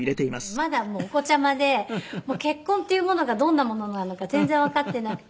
まだお子ちゃまで結婚っていうものがどんなものなのか全然わかってなくて。